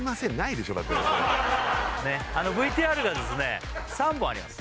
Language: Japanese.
ねっＶＴＲがですね３本あります